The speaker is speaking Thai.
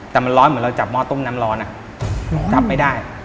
แต่มันร้อนเหมือนเราจับหม้อต้มน้ำร้อนจับไม่ได้